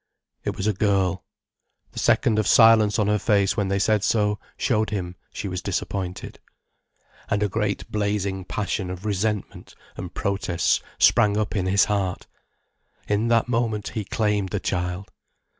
It was a girl. The second of silence on her face when they said so showed him she was disappointed. And a great blazing passion of resentment and protest sprang up in his heart. In that moment he claimed the child.